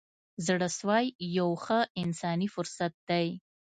زړه سوی یو ښه انساني صفت دی.